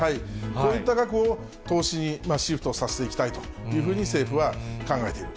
こういった額を投資にシフトさせていきたいというふうに、政府は考えている。